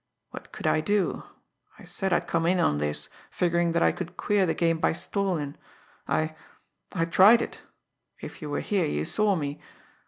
What could I do? I said I'd come in on this, figurin' that I could queer the game by stallin'. I I tried it. If you were here, you saw me.